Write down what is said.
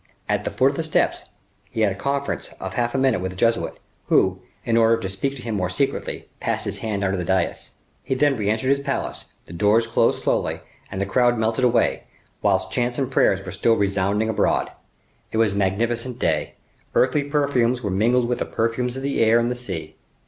At the foot of the steps, he had a conference of half a minute with a Jesuit, who, in order to speak to him more secretly, passed his head under the dais. He then re entered his palace; the doors closed slowly, and the crowd melted away, whilst chants and prayers were still resounding abroad. It was a magnificent day. Earthly perfumes were mingled with the perfumes of the air and the sea.